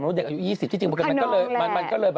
มันรู้เด็กอายุ๒๐ที่จริงมันก็เลย